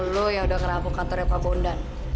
lu yang udah rampok kantornya pak bondan